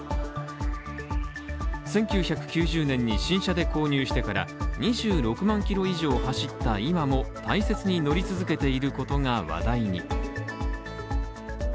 １９９０年に新車で購入してから２６万キロ以上走った今も大切に乗り続けていることが話題に。